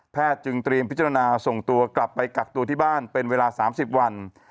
จึงเตรียมพิจารณาส่งตัวกลับไปกักตัวที่บ้านเป็นเวลา๓๐วัน